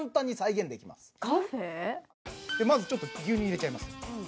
でまずちょっと牛乳入れちゃいます